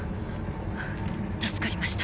助かりました。